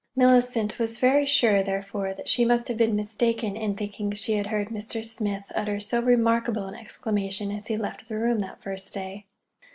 Mellicent was very sure, therefore, that she must have been mistaken in thinking she had heard Mr. Smith utter so remarkable an exclamation as he left the room that first day.